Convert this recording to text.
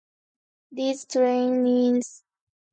These trainees later started their own rafting companies.